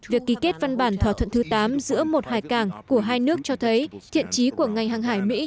việc ký kết văn bản thỏa thuận thứ tám giữa một hải cảng của hai nước cho thấy thiện trí của ngành hàng hải mỹ